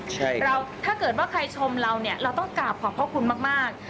ใช่ถ้าเกิดว่าใครชมเราเราต้องกราบขอบพ่อคุณมาก